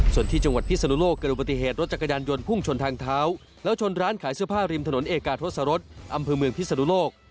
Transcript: ส่วนที่จังหวัดพิศนุโลกเกิดอุบัติเหตุรถจักรยานยนต์พุ่งชนทางเท้าแล้วชนร้านขายเสื้อผ้าริมถนนเอกาทศรษอำเภอเมืองพิศนุโลก